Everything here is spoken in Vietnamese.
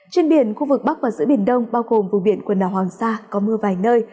trên biển khu vực bắc và giữa biển đông bao gồm vùng biển quần đảo hoàng sa có mưa vài nơi